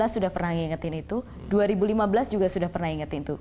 dua ribu enam belas sudah pernah ingetin itu dua ribu lima belas juga sudah pernah ingetin itu